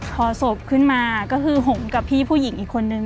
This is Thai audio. พอศพขึ้นมาก็คือผมกับพี่ผู้หญิงอีกคนนึง